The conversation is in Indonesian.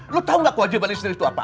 lo tau gak kewajiban istri itu apa